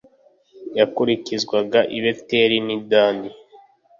yakurikizwaga i Beteli ni Dani